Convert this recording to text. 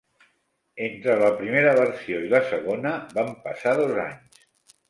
Entre la primera versió i la segona van passar dos anys.